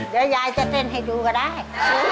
เดี๋ยวยายจะเต้นให้ดูก็ได้